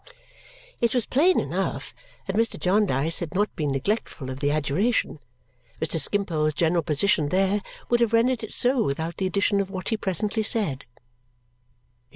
It was plain enough that Mr. Jarndyce had not been neglectful of the adjuration. Mr. Skimpole's general position there would have rendered it so without the addition of what he presently said.